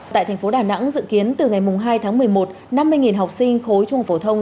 tại thành phố đà nẵng dự kiến từ ngày hai tháng một mươi một năm mươi học sinh khối trung